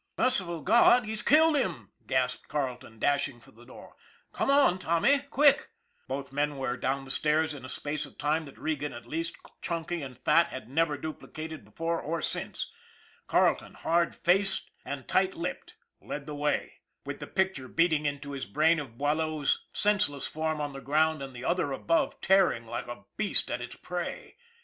" Merciful God! He's killed him! " gasped Carle ton, dashing for the door. " Come on, Tommy. Quick!" Both men were down the stairs in a space of time that Regan, at least, chunky and fat, has never dupli cated before or since. Carleton, hard faced and tight 220 ON THE IRON AT BIG CLOUD lipped, led the way, with the picture beating into his brain of Boileau's senseless form on the ground and the other above tearing like a beast at its prey.